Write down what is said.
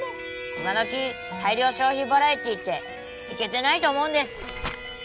今どき大量消費バラエティってイケてないと思うんです。